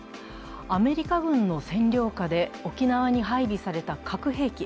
アメリカ軍の占領下で沖縄に配備された核兵器。